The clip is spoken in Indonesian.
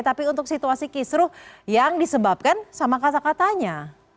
tapi untuk situasi kisruh yang disebabkan sama kata katanya